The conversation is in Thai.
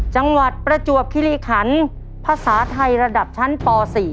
จังหวัดประจวบคิริขันฯภาษาไทยระดับชั้นป๔